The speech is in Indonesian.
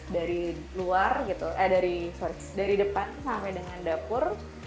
dari luar gitu eh dari depan sampai dengan dapur